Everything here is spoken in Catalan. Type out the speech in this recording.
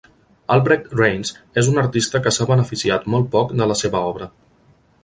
Albrecht Raines és un artista que s'ha beneficiat molt poc de la seva obra.